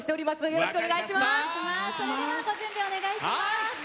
よろしくお願いします。